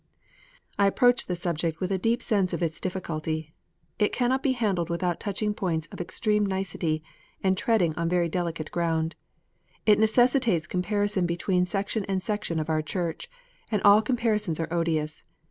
I approach the subject with a deep sense of its difficulty. It cannot be handled without touching points of extreme nicety, and treading on very delicate ground. It necessitates com parison between section and section of our Church; and all comparisons are odious.